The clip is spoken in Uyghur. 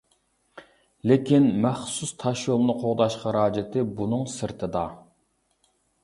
لېكىن، مەخسۇس تاشيولنى قوغداش خىراجىتى بۇنىڭ سىرتىدا.